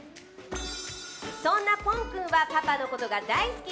そんなぽん君はパパのことが大好き。